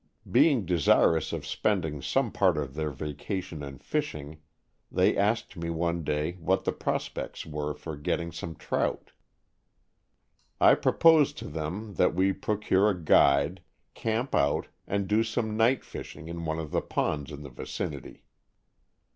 Being desirous of spending some part of their vacation in fishing, they asked me one day what the prospects were for getting some trout. I proposed to them that we procure a guide, camp out and do some night fishing in one of the ponds in the vicinity.